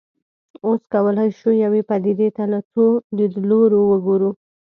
اوس کولای شو یوې پدیدې ته له څو لیدلوریو وګورو.